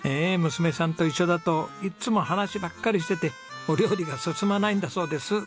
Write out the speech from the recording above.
娘さんと一緒だといっつも話ばっかりしててお料理が進まないんだそうです。